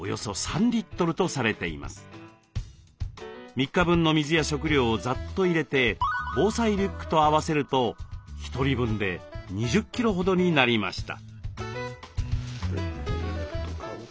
３日分の水や食料をざっと入れて防災リュックと合わせると１人分で２０キロほどになりました。